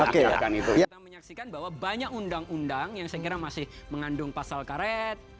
kita menyaksikan bahwa banyak undang undang yang saya kira masih mengandung pasal karet